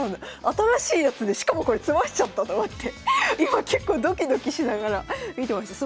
新しいやつでしかもこれ詰ましちゃったと思って今結構ドキドキしながら見てました。